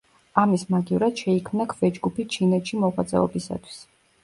ამის მაგივრად შეიქმნა ქვეჯგუფი ჩინეთში მოღვაწეობისათვის.